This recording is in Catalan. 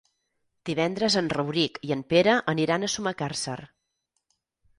Divendres en Rauric i en Pere aniran a Sumacàrcer.